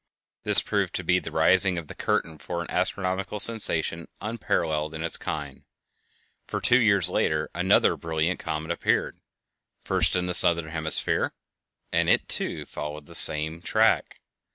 This proved to be the rising of the curtain for an astronomical sensation unparalleled in its kind; for two years later another brilliant comet appeared, first in the southern hemisphere, _and it too followed the same track.